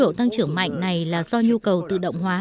tốc độ tăng trưởng mạnh này là do nhu cầu tự động hóa